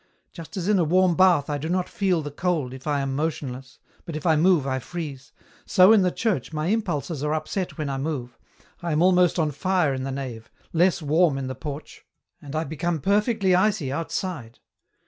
Just as in a warm bath I do not feel the cold if I am motionless, but if I move I freeze, so in the church my impulses are upset when I move, I am almost on fire in the nave, less warm in the porch, and I become perfectly icy outside.